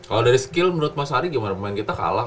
kalau dari skill menurut mas ari gimana pemain kita kalah